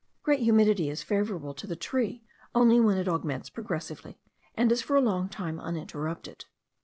Great humidity is favourable to the tree only when it augments progressively, and is for a long time uninterrupted.